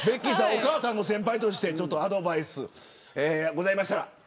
お母さんの先輩としてアドバイスがあったら。